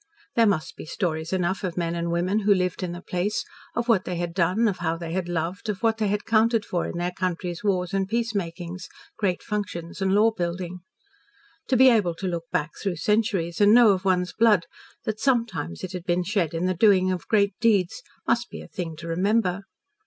There must be stories enough of men and women who had lived in the place, of what they had done, of how they had loved, of what they had counted for in their country's wars and peacemakings, great functions and law building. To be able to look back through centuries and know of one's blood that sometimes it had been shed in the doing of great deeds, must be a thing to remember.